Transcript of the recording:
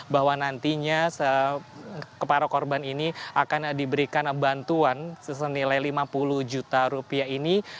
bahwa nantinya para korban ini akan diberikan bantuan sesenilai lima puluh juta rupiah ini